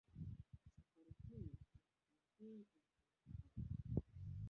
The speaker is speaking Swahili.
Safari hii mkutano huo ulifanyika Arusha.